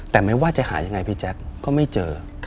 แต่ไม่ว่าจะหายังไงพี่แจ๊คก็ไม่เจอ